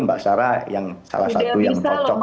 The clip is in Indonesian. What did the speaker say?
mbak sarah yang salah satu yang cocok